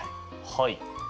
はい。